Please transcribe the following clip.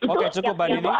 oke cukup mbak dini